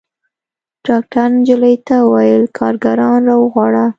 ډاکتر نجلۍ ته وويل کارګران راوغواړه.